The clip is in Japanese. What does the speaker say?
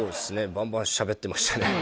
バンバンしゃべってましたね